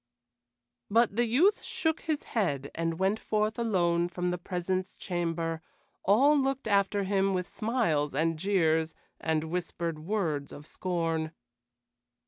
But the youth shook his head and went forth alone from the presence chamber; all looked after him, with smiles and jeers and whispered words of scorn.